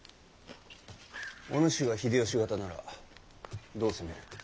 お主が秀吉方ならどう攻める？